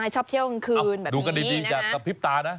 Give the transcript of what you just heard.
ชอบเที่ยวกลางคืนแบบนี้